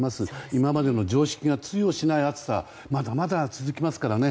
今までの常識が通用しない暑さまだまだ続きますからね。